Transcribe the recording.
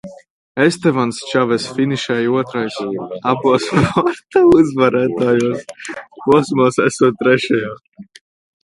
"Estevans Čavess finišēja otrais, abos Porta uzvarētajos posmos esot trešajā."